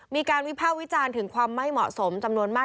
วิภาควิจารณ์ถึงความไม่เหมาะสมจำนวนมาก